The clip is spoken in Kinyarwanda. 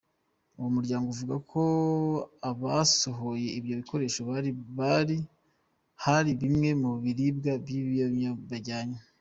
Uwo muryango uvuga ko abasohoye ibyo bikoresho hari bimwe mu biribwa n’ibinyobwa bajyanye.